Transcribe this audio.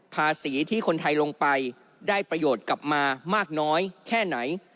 ภาษีที่คนไทยลงไปได้ประโยชน์กลับมามากน้อยแค่ไหน